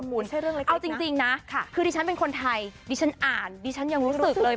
ไม่ใช่เรื่องเล็กนะค่ะดิฉันเป็นคนไทยดิฉันอ่านดิฉันยังรู้สึกเลย